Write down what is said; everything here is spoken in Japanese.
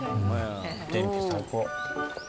天気最高。